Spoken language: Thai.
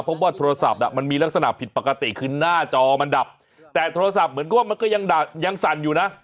พบว่าโทรศัพท์มันมีลักษณะผิดปกติคือหน้าจอมันดับแต่โทรศัพท์เหมือนกับว่ามันก็ยังสั่นอยู่นะ